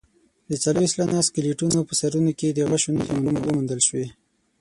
د څلوېښت سلنه سکلیټونو په سرونو کې د غشو نښې وموندل شوې.